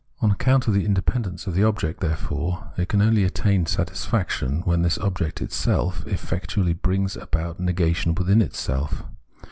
On account of tbe independence of the object, therefore, it can only attain satisfaction when this object itself efiectually brings about negation within itself.